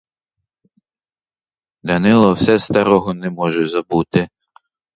Данило все старого не може забути.